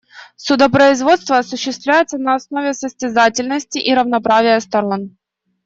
Судопроизводство осуществляется на основе состязательности и равноправия сторон.